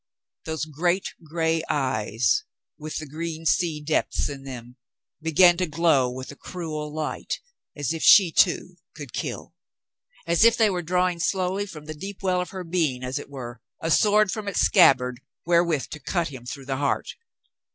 Those great gray eyes, with the green sea depths in them, began to glow with a cruel light, as if she too could kill, — as if they were drawing slowly from the deep well of her being, as it were, a sword from its scab bard wherewith to cut him through the heart.